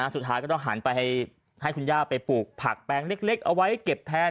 สุดท้ายก็ต้องหันไปให้คุณย่าไปปลูกผักแปลงเล็กเอาไว้เก็บแทน